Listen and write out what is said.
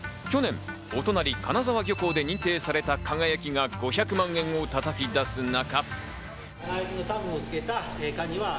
去年お隣、金沢漁港で認定された「輝」が５００万円を叩き出す中。